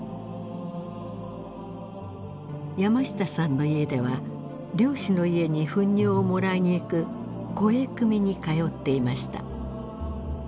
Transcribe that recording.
山下さんの家では漁師の家に糞尿をもらいに行く肥汲みに通っていました。